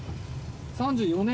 ３４年！